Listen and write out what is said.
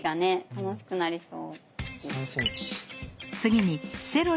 楽しくなりそう。